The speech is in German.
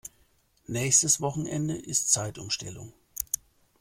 Nächstes Wochenende ist Zeitumstellung.